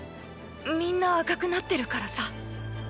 みんな赤くなってるからさ。